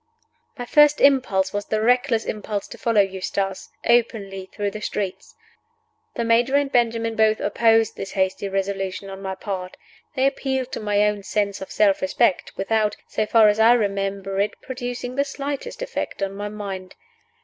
MY first impulse was the reckless impulse to follow Eustace openly through the streets. The Major and Benjamin both opposed this hasty resolution on my part. They appealed to my own sense of self respect, without (so far as I remember it) producing the slightest effect on my mind.